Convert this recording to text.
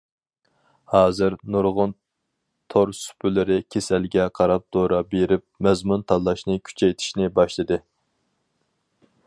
ھازىر، نۇرغۇن تور سۇپىلىرى كېسەلگە قاراپ دورا بېرىپ، مەزمۇن تاللاشنى كۈچەيتىشنى باشلىدى.